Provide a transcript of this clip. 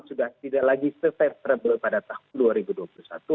sudah tidak lagi surviverable pada tahun dua ribu dua puluh satu